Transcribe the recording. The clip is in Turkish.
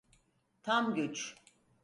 Tam güç.